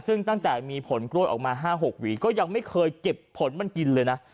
ซึ่งตั้งแต่มีผลกล้วยออกมา๕๖หวีก็ยังไม่เคยเก็บผลมันกินเลยนะ